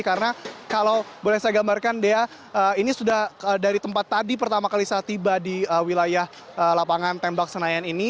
karena kalau boleh saya gambarkan ini sudah dari tempat tadi pertama kali saya tiba di wilayah lapangan tembak senayan ini